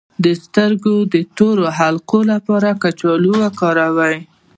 د سترګو د تورې حلقې لپاره کچالو وکاروئ